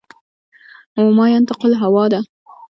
و ما ینطق الهوا ده